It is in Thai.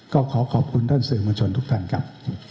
ก็ขอขอบคุณท่านสื่อมวลชนทุกท่านครับ